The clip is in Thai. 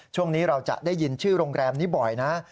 ช่วงนี้เราจะได้ยินชื่อโรงแรมนี้บ่อยนะ